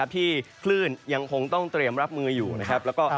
ที่คลื่นยังคงต้องเตรียมรับมืออยู่นะครับ